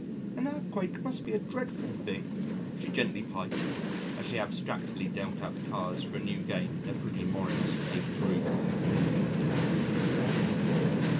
"An earthquake must be a dreadful thing," she gently piped, as she abstractedly dealt out the cards for a new game in a pretty Morris papered room in Kensington.